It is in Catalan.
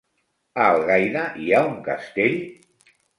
A Algaida hi ha un castell?